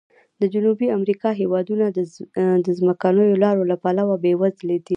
د جنوبي امریکا هېوادونه د ځمکنیو لارو له پلوه بې وزلي دي.